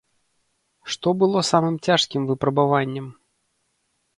Што было самым цяжкім выпрабаваннем?